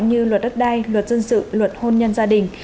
như luật đất đai luật dân sự luật hôn nhân gia đình